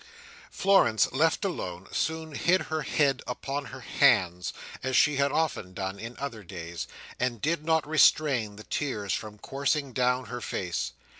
Florence left alone, soon hid her head upon her hands as she had often done in other days, and did not restrain the tears from coursing down her face.